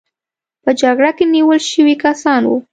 په جګړه کې نیول شوي کسان وو.